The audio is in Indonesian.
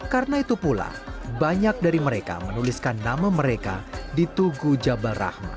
karena itu pula banyak dari mereka menuliskan nama mereka di tugu jabal rahmah